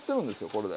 これで。